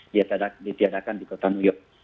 dia tiadakan di kota nuyuk